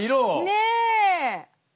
ねえ！